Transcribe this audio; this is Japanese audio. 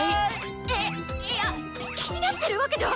えいやっ気になってるわけでは。